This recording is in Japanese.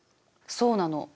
そうなの。